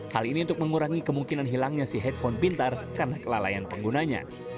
hal ini untuk mengurangi kemungkinan hilangnya si headphone pintar karena kelalaian penggunanya